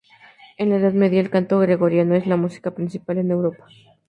En la Edad Media, el canto Gregoriano es la música principal en Europa.